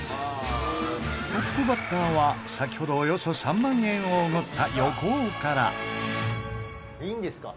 トップバッターは先ほど、およそ３万円をおごった横尾から横尾：いいんですか？